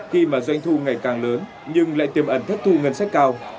khi mà doanh thu ngày càng lớn nhưng lại tiêm ẩn thất thu ngân sách cao